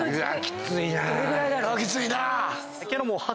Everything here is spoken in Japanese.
きついな。